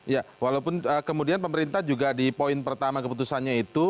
ya walaupun kemudian pemerintah juga di poin pertama keputusannya itu